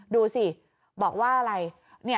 ดูสิบอกว่าอะไร